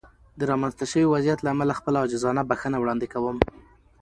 د رامنځته شوې وضعیت له امله خپله عاجزانه بښنه وړاندې کوم.